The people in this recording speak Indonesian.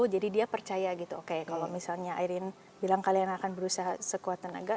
jadi dia percaya gitu oke kalau misalnya aireen bilang kalian akan berusaha sekuat tenaga